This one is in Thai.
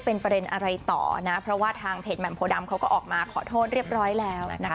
เพราะว่ามันไม่มีอะไรกับแม่นะ